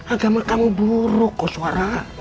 agama kamu buruk kok suara